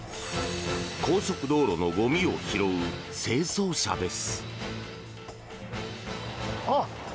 高速道路のゴミを拾う清掃車です。